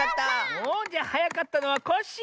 おじゃはやかったのはコッシー！